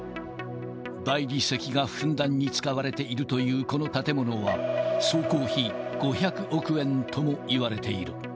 大理石がふんだんに使われているというこの建物は、総工費５００億円ともいわれている。